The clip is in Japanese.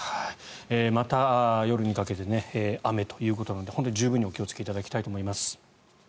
また夜にかけて雨ということなので本当に充分にお気をつけいただきたいと思います。